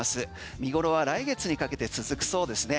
見頃は来月にかけて続くそうですね。